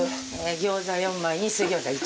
餃子４枚に水餃子１。